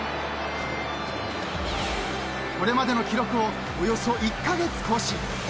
［これまでの記録をおよそ１カ月更新］